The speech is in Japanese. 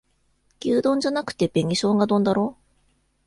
牛丼じゃなくて紅しょうが丼だろ